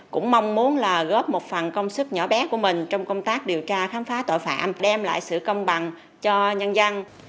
chúng là góp một phần công sức nhỏ bé của mình trong công tác điều tra khám phá tội phạm đem lại sự công bằng cho nhân dân